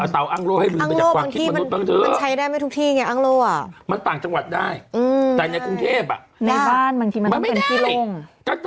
เท่านี้ไฟไหม้เยอะแล้วลูกพอเดี๋ยวนะ